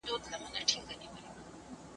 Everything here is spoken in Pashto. زه پرون د سبا لپاره د ليکلو تمرين کوم!؟